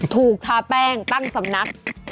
ถูกทาแป้งตั้งสำนัก